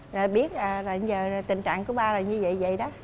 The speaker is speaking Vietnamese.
rồi biết là tình trạng của ba là như vậy vậy đó